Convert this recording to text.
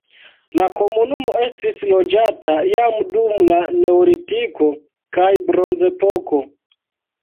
La komunumo estis loĝata jam dum la neolitiko kaj bronzepoko.